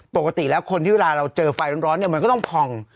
ปกติแล้วคนที่เวลาเราเจอไฟร้อนเนี่ยมันก็ต้องผ่อง